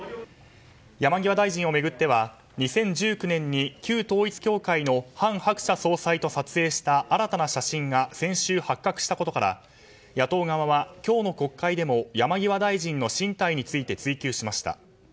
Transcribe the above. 山際大臣を巡っては２０１９年に旧統一教会の韓鶴子総裁と撮影した新たな写真が先週、発覚したことから野党側は今日の国会でも山際大臣の進退について追及しました。